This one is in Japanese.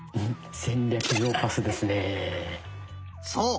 そう！